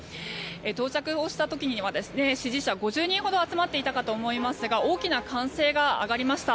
到着をした時は支持者５０人ほどが集まっていたかと思いますが大きな歓声が上がりました。